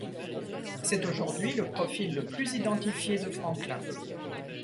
C'est aujourd'hui, le profil le plus identifié de Franklin.